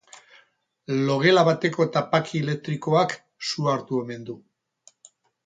Logela bateko tapaki elektrikoak su hartu omen du.